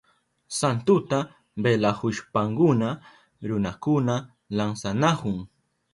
Santuta velahushpankuna runakuna lansanahun.